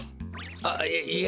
あっいいや。